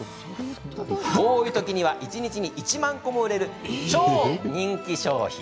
多いときには一日に１万個も売れる超人気商品。